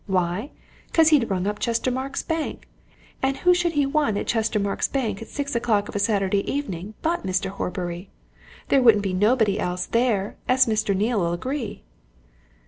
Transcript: Why? 'Cause he'd rung up Chestermarke's Bank and who should he want at Chestermarke's Bank at six o'clock of a Saturday evening but Mr. Horbury? There wouldn't be nobody else there as Mr. Neale'll agree."